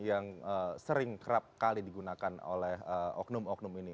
yang sering kerap kali digunakan oleh oknum oknum ini